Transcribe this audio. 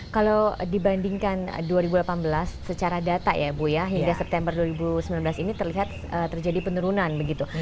kalau dibandingkan dua ribu delapan belas secara data ya bu ya hingga september dua ribu sembilan belas ini terlihat terjadi penurunan begitu